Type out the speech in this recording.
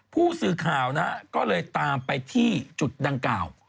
ผู้สื่อข่าวนะก็เลยตามไปที่จุดดังกล่าว